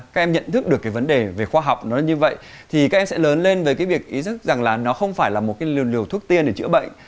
các em nhận thức được cái vấn đề về khoa học nó là như vậy thì các em sẽ lớn lên với cái việc ý thức rằng là nó không phải là một cái liều thuốc tiên để chữa bệnh